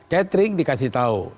catering dikasih tahu